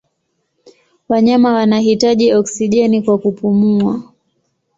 Wanyama wanahitaji oksijeni kwa kupumua.